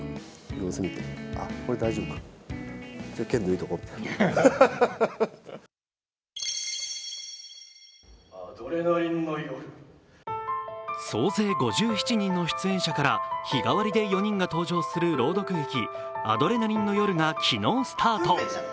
更に、１カットでの撮影が多いそうで総勢５７人の出演者から日替わりで４人が登場する朗読劇「アドレナリンの夜」が昨日スタート。